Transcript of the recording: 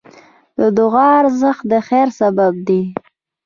د دعا ارزښت د خیر سبب دی.